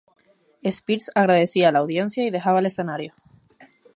Spears agradecía a la audiencia y dejaba el escenario.